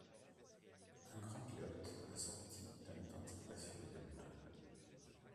Un grand pilote assorti d'un authentique passionné de motos.